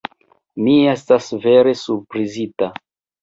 Mi estas vere surprizita!